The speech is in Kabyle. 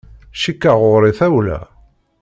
Cikkeɣ ɣur-i tawla.